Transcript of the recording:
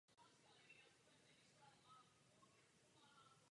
Tyto změny umožňují získat v obrazu větší kontrast.